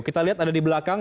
kita lihat ada di belakang